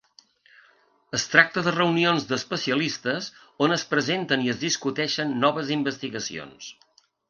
Es tracta de reunions d'especialistes on es presenten i es discuteixen noves investigacions.